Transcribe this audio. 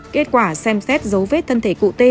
kết quả xem xét dấu vết thân thể cụ t